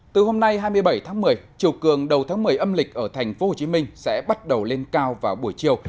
từ hôm nay hai mươi bảy tháng một mươi chiều cường đầu tháng một mươi âm lịch ở thành phố hồ chí minh sẽ bắt đầu lên cao vào buổi chiều